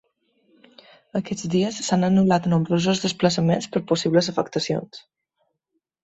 Aquests dies s’han anul·lat nombrosos desplaçaments per possibles afectacions.